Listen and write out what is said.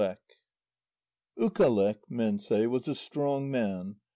UKALEQ Ukaleq, men say, was a strong man.